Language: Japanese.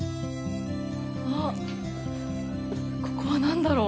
あっ、ここは何だろう。